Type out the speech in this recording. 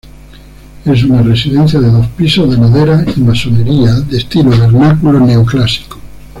Es una residencia de dos pisos de madera y masonería de "estilo vernáculo neoclásico".